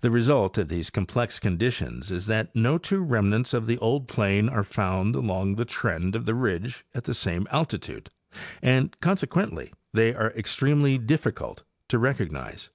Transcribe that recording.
The result of these complex conditions is that no two remnants of the old plain are found along the trend of the ridge at the same altitude. and consequently they are extremely difficult to recognize.